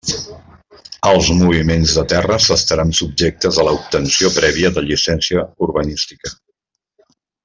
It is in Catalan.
Els moviments de terres estaran subjectes a l'obtenció prèvia de la llicència urbanística.